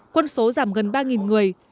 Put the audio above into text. quân số giảm gần ba người